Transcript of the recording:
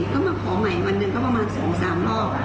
ก็มาขอใหม่วันหนึ่งก็ประมาณ๒๓รอบ